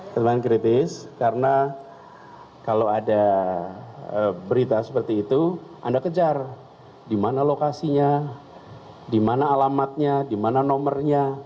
keterangan kritis karena kalau ada berita seperti itu anda kejar di mana lokasinya di mana alamatnya di mana nomornya